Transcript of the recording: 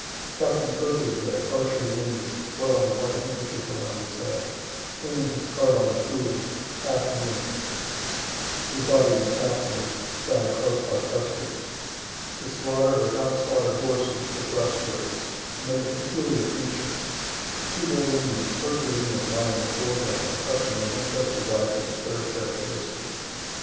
Captain Cook is there, partially wounded, blood on the white handkerchief around his head, aiming his carbine coolly, half kneeling (his body was afterwards found close by Custer's.) The slaughter'd or half slaughter'd horses, for breastworks, make a peculiar feature. Two dead Indians, herculean, lie in the foreground, clutching their Winchester rifles, very characteristic.